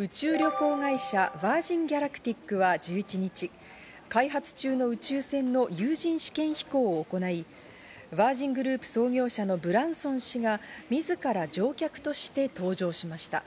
宇宙旅行会社、ヴァージン・ギャラクティックは１１日、開発中の宇宙船の有人試験飛行を行い、ヴァージングループ創業者のブランソン氏がみずから乗客として搭乗しました。